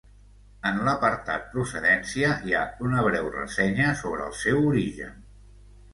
En l'apartat procedència hi ha una breu ressenya sobre el seu origen.